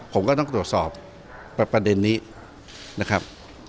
ผมก็ต้องตรวจสอบประเด็นนี้นะครับ